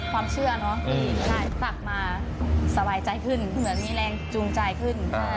ความเชื่อเนอะที่ตักมาสบายใจขึ้นเหมือนมีแรงจูงใจขึ้น